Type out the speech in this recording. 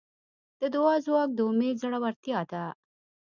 د دعا ځواک د امید زړورتیا ده.